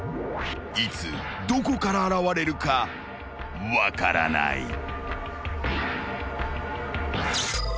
［いつどこから現れるか分からない］